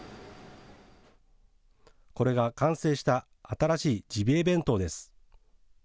これが完成した新しいジビエ弁当です。